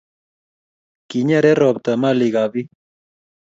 kinyere ropta malikabbik